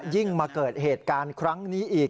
ยิ่งมาเกิดเหตุการณ์ครั้งนี้อีก